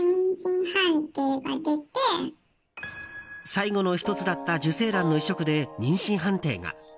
最後の１つだった受精卵の移植で妊娠判定が。